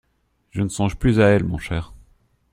Je ne songe plus à elle, mon cher.